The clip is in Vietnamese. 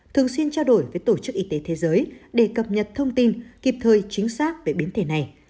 thường xuyên trao đổi với tổ chức y tế thế giới để cập nhật thông tin kịp thời chính xác về biến thể này